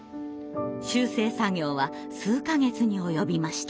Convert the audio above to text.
修正作業は数か月に及びました。